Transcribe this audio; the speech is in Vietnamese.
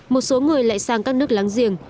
một số người lại sang các nước láng giềng